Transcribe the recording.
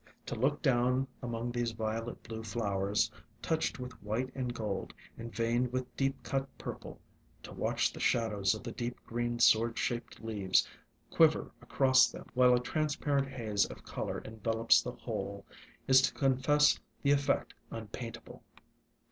To look down among these violet blue flowers, touched with white and gold, and veined with deep cut purple, to watch the shadows of the deep green sword shaped leaves quiver across them, while a trans 38 ALONG THE WATERWAYS parent haze of color envelops the whole, is to confess the effect unpaintable.